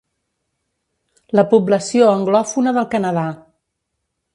La població anglòfona del Canadà.